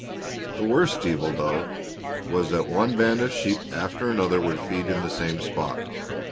The worst evil, though, was that one band of sheep after another would feed in the same spot.